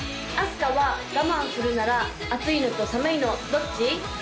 あすかは我慢するなら暑いのと寒いのどっち？